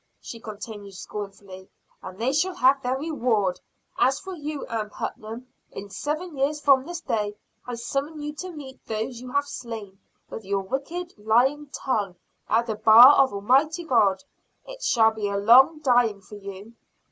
she continued scornfully. "And they shall have their reward. As for you, Ann Putnam, in seven years from this day I summon you to meet those you have slain with your wicked, lying tongue, at the bar of Almighty God! It shall be a long dying for you!"